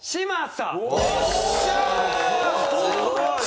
すごい。